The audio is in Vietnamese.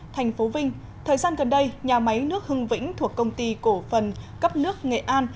thành phố vinh thời gian gần đây nhà máy nước hưng vĩnh thuộc công ty cổ phần cấp nước nghệ an